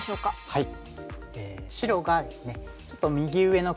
はい。